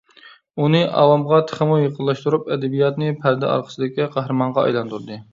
ئۇنى ئاۋامغا تېخىمۇ يېقىنلاشتۇرۇپ ئەدەبىياتنى پەردە ئارقىسىدىكى قەھرىمانغا ئايلاندۇردى.